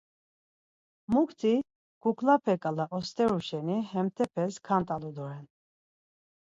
Mukti kuklape ǩala osteru şeni hemtepes kant̆alu doren.